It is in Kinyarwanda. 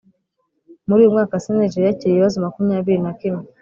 Muri uyu mwaka cnlg yakiriye ibibazo makumyabiri na kimwe